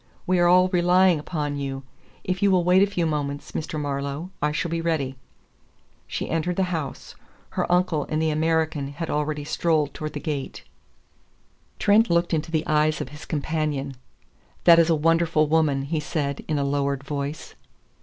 We are all relying upon you. If you will wait a few moments, Mr. Marlowe, I shall be ready." She entered the house. Her uncle and the American had already strolled towards the gate. Trent looked into the eyes of his companion. "That is a wonderful woman," he said in a lowered voice.